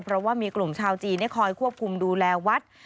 เพราะว่ามีกลุ่มชาวจีนคอยควบคุมดูแลวัด